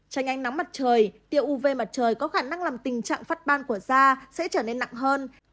tranh ánh nắng mặt trời tiêu uv mặt trời có khả năng làm tình trạng phát ban của da sẽ trở nên nặng hơn